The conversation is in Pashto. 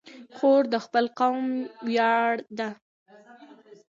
خور د خپل قوم ویاړ ده.